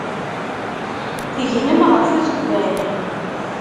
Tegnem ɣef udekkan.